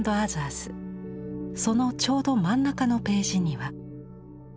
そのちょうど真ん中のページには。